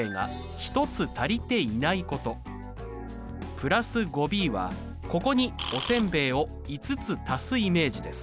＋５ｂはここにおせんべいを５つ足すイメージです。